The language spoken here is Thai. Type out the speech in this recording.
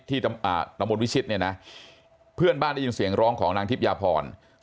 ตำบลวิชิตเนี่ยนะเพื่อนบ้านได้ยินเสียงร้องของนางทิพยาพร